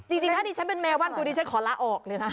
จริงถ้าที่ฉันเป็นแมวบ้านคุณนี่ฉันขอละออกเลยนะ